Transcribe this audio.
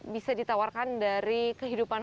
bisa ditawarkan dari kehidupan